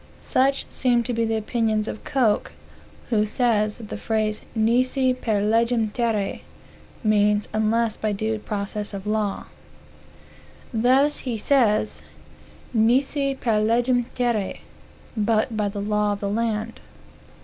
Such seem to be the opinions of Coke, who says that the phrase nisi per legem terrae means unless by due process of law. Thus, he says: "Nisi per legem terrae. But by the law of the land.